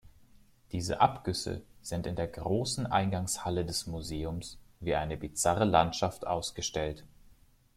Diese Abgüsse sind in der großen Eingangshalle des Museums wie eine bizarre Landschaft ausgestellt.